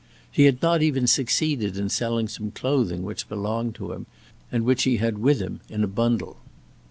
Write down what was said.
He had not even succeeded in selling some clothing which belonged to him, and which he had with him in a bundle.